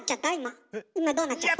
どうなっちゃった？